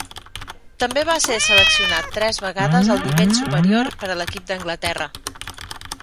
També va ser seleccionat tres vegades al nivell superior per a l'equip d'Anglaterra.